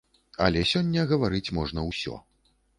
Але сёння гаварыць можна ўсё.